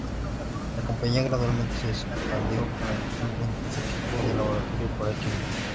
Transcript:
La compañía gradualmente se expandió para incluir ventas de equipo de laboratorio para químicos.